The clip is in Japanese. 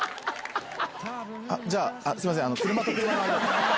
じゃあすいません。